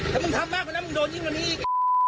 แต่มึงทำมากกว่านั้นมึงโดนยิงมานี่อีก